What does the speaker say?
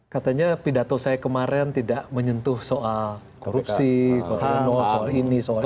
katanya pidato saya kemarin tidak menyentuh soal korupsi soal ini soal itu